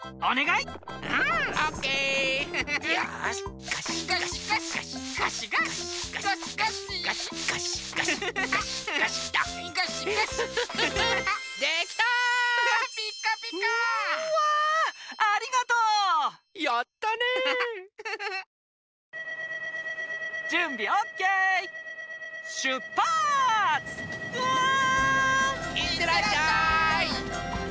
いってらっしゃい！